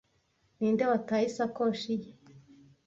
Ninde wataye isakoshi ye